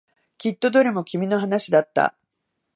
きっとどれも君の話だった。